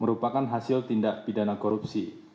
merupakan hasil tindak pidana korupsi